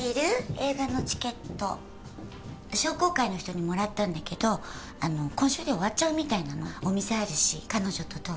映画のチケット商工会の人にもらったんだけど今週で終わっちゃうみたいなのお店あるし彼女とどう？